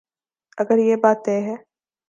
اگر یہ بات طے ہے۔